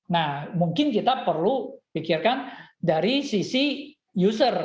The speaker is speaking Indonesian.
nah mungkin kita perlu pikirkan dari sisi user